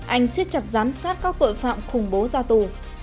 anh siết chặt giám sát các tội phạm khủng bố ra tù